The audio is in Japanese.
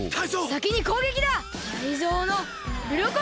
さきにこうげきだ！